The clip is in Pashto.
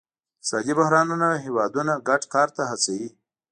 اقتصادي بحرانونه هیوادونه ګډ کار ته هڅوي